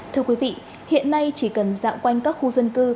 thưa quý vị hiện nay chỉ cần dạo quanh các khu dân cư